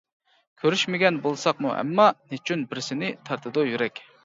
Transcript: كۆرۈشمىگەن بولساقمۇ ئەمما، نېچۈن بىر سېنى تارتىدۇ يۈرەك.